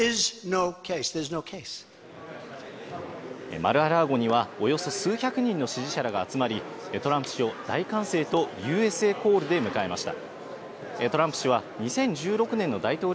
マル・ア・ラーゴには、およそ数百人の支持者らが集まり、トランプ氏を大歓声とＵＳＡコールで迎えました。